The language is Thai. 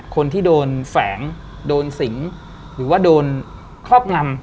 คนที่โดนแฝงโดนสิงหรือว่าโดนครอบงำ